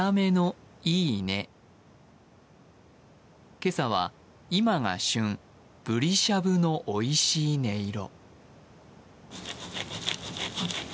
今朝は今が旬、ブリしゃぶのおいしい音色。